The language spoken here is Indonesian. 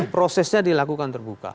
prosesnya dilakukan terbuka